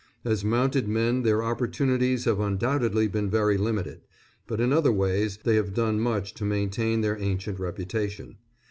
As mounted men their opportunities have undoubtedly been very limited; but in other ways they have done much to maintain their ancient reputation.